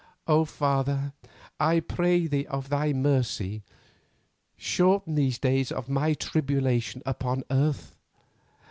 O Father, I pray Thee of Thy mercy, shorten these the days of my tribulation upon earth.